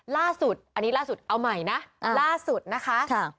ล่าสุดอันนี้ล่าสุดเอาใหม่นะล่าสุดนะคะ